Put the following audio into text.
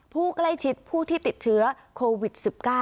ผู้ใกล้ชิดผู้ที่ติดเชื้อโควิด๑๙